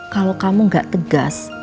kalau kamu gak tegas